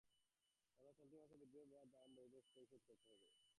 অর্থাৎ চলতি মাসে ব্যবহূত বিদ্যুতের দাম বর্ধিত হারে পরিশোধ করতে হবে।